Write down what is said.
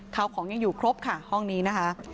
ข้าวของยังอยู่ครบค่ะห้องนี้นะคะ